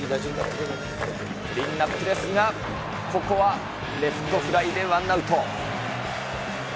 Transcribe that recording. クリーンナップですが、ここはレフトフライでワンアウト。